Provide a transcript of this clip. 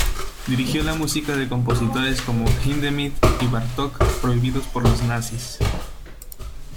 Dirigió la música de compositores como Hindemith y Bartók prohibidos por los nazis.